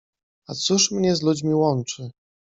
A cóż mnie z ludźmi łączy?